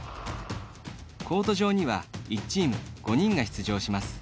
コート上には１チーム、５人が出場します。